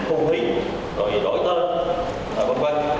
công ty rồi đổi tên rồi v v